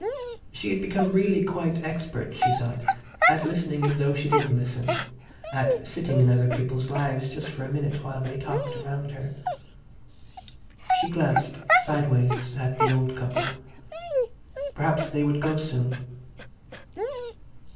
She had become really quite expert, she thought, at listening as though she didn't listen, at sitting in other people's lives just for a minute while they talked round her. She glanced, sideways, at the old couple. Perhaps they would go soon.